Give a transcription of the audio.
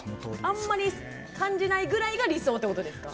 あまり感じないくらいが理想ってことですか。